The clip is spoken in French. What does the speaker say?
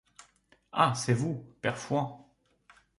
Ah! c’est vous, père Fouan...